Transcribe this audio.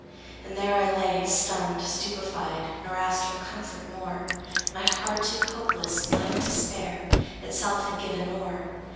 And there I lay, stunned, stupefied, Nor asked for comfort more; My heart to hopeless, blank despair Itself had given o'er.